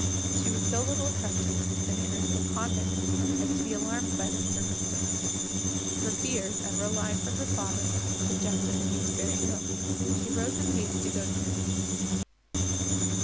She was so little accustomed to the manners of a convent, as to be alarmed by this circumstance; her fears, ever alive for her father, suggested that he was very ill, and she rose in haste to go to him.